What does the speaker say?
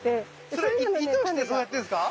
それ意図してそうやってるんですか？